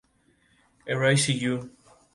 Erase You!